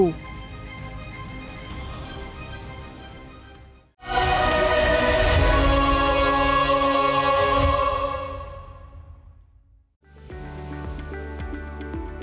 họa sĩ nguyễn sáng